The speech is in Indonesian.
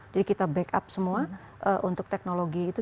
jadi kita backup semua untuk teknologi itu